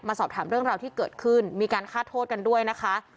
สอบถามเรื่องราวที่เกิดขึ้นมีการฆ่าโทษกันด้วยนะคะ